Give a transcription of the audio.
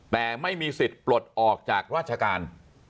แต่ไม่มีสิทธิ์ปลดออกจากราชการ